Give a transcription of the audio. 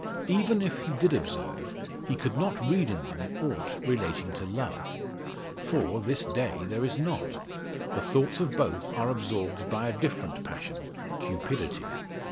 Even if he did observe, he could not read in them aught relating to love. For, this day there is not; the thoughts of both are absorbed by a different passion cupidity.